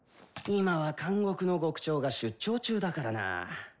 今は監獄の獄長が出張中だからなぁ。